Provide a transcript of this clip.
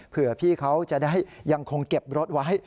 เพื่อพี่เขาจะได้ยังคงเก็บรถไว้